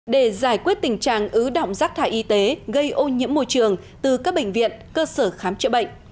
để giải quyết tình trạng ứ động rác thải y tế gây ô nhiễm môi trường từ các bệnh viện cơ sở khám chữa bệnh